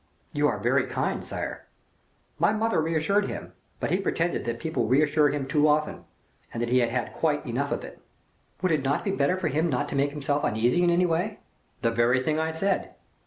"You are very kind, sire." "My mother reassured him; but he pretended that people reassure him too often, and that he had had quite enough of it." "Would it not be better for him not to make himself uneasy in any way?" "The very thing I said."